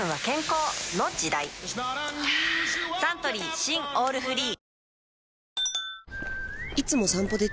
はぁサントリー新「オールフリー」